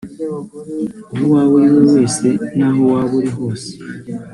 uwo waba uriwe wese naho waba uri hose